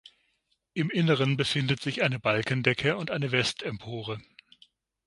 Im Inneren findet sich eine Balkendecke und eine Westempore.